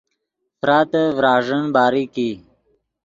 فراتے ڤراݱین باریک ای